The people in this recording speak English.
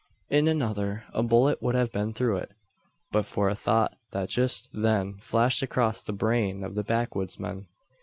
In another, a bullet would have been through it; but for a thought that just then flashed across the brain of the backwoodsman.